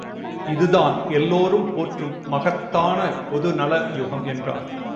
இதுதான் எல்லோரும் போற்றும் மகத்தான் பொது நல யுகம் என்றார்.